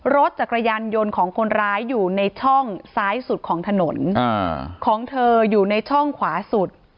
รถจักรยานยนต์ของคนร้ายอยู่ในช่องซ้ายสุดของถนนของเธออยู่ในช่องขวาสุด